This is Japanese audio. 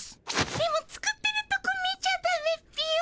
でも作ってるとこ見ちゃダメっピよ。